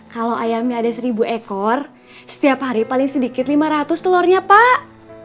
kalau ayamnya ada seribu ekor setiap hari paling sedikit lima ratus telurnya pak